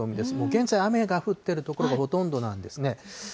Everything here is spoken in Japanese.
現在、雨が降っている所がほとんどなんですね。